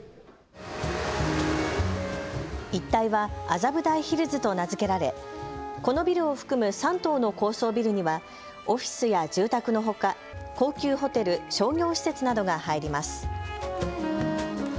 一帯は麻布台ヒルズと名付けられこのビルを含む３棟の高層ビルにはオフィスや住宅のほか高級ホテル、商業施設などが入ります。